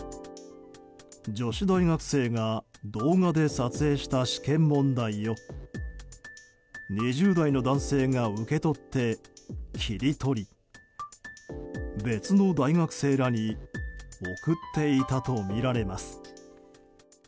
女子大学生が動画で撮影した試験問題を２０代の男性が受け取って切り取り別の大学生らに送っていたとみられます。